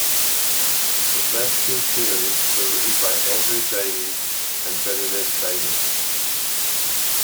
The first two series were written by Andrew Davies and Bernadette Davis.